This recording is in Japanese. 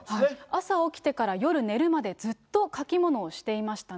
朝起きてから夜寝るまで、ずっと書き物をしていましたね。